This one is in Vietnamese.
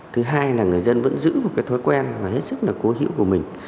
thứ hai là người dân vẫn giữ một cái thói quen và hết sức là cố hữu của mình